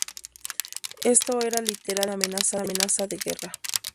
Esto era literalmente una amenaza de guerra.